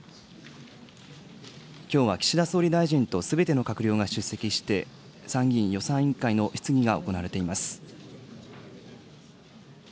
きょうは岸田総理大臣とすべての閣僚が出席して、参議院予算委員会の質疑が行われています。